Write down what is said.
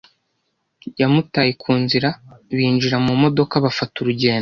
yamutaye ku nzira, binjira mu modoka bafata urugendo,